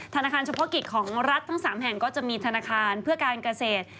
ธนาคารเฉพาะกิจของรัฐทั้ง๓แห่งก็จะมีธนาคารเพื่อการเกษตร